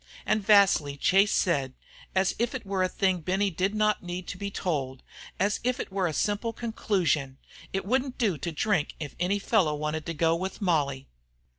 And vastly Chase said, as if it were a thing Benny did not need to be told, as if it were a simple conclusion: "It wouldn't do to drink if any fellow wanted to go with Molly."